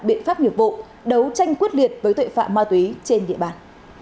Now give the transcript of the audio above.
biện pháp nghiệp vụ đấu tranh quyết liệt với tội phạm ma túy trên địa bàn